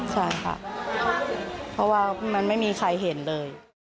ใช่ค่ะเพราะว่ามันไม่มีใครเห็นเลย